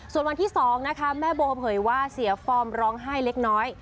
ส่วนวันที่๒นะคะแม่โบเผยว่าเสียฟอร์มร้องไห้เล็กน้อย